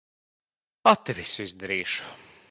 Pati visu izdarīšu.